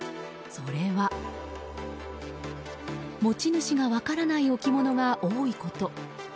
それは持ち主が分からない置物が多いこと。